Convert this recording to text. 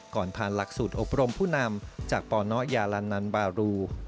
ก่อนทางลักษณ์สูตรอบรมผู้นำจากปยนบารุ